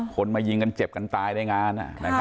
คนมายิงกันเจ็บกันตายในงาน